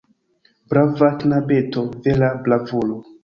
Brava knabeto, vera bravulo!